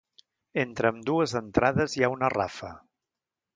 Entre ambdues entrades hi ha una rafa.